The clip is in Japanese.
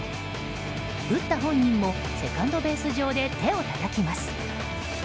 打った本人もセカンドベース上で手をたたきます。